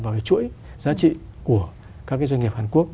vào chuỗi giá trị của các doanh nghiệp hàn quốc